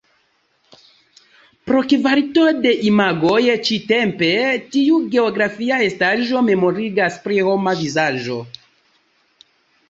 Pro kvalito de imagoj ĉi-tempe, tiu geografia estaĵo memorigas pri homa vizaĝo.